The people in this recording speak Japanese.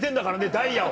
ダイヤを。